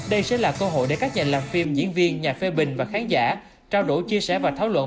đây sẽ là cơ hội để các nhà làm phim diễn viên nhà phê bình và khán giả trao đổi chia sẻ và thảo luận